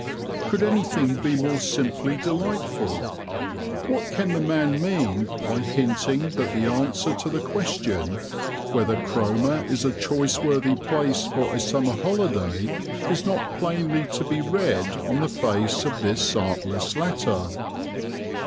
"Could anything be more simply delightful? What can the man mean by hinting that the answer to the question whether Cromer is a choiceworthy place for a summer holiday is not plainly to be read on the face of this artless letter?"